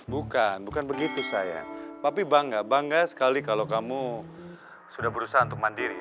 bukan bukan begitu saya tapi bangga bangga sekali kalau kamu sudah berusaha untuk mandiri